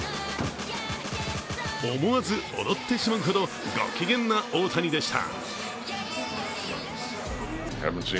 思わず踊ってしまうほどご機嫌な大谷でした。